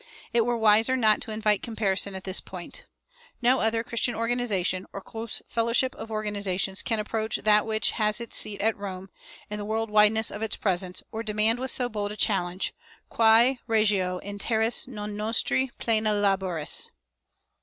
It were wiser not to invite comparison at this point. No other Christian organization, or close fellowship of organizations, can approach that which has its seat at Rome, in the world wideness of its presence, or demand with so bold a challenge, Quæ regio in terris non nostri plena laboris?